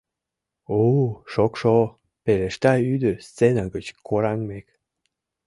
— У-у, шокшо! — пелешта ӱдыр сцена гыч кораҥмек.